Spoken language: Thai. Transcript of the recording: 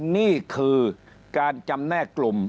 นี่คือการจำแนกกลุ่ม